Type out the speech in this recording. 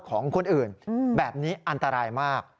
ของคนอื่นแบบนี้อันตรายมาก